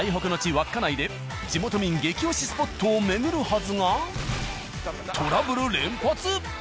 稚内で地元民激推しスポットを巡るはずが。